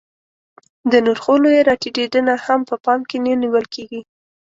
د نرخو لویه راټیټېدنه هم په پام کې نه نیول کېږي